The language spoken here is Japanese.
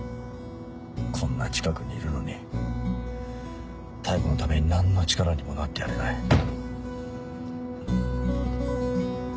こんな近くにいるのに妙子のために何の力にもなってやれない。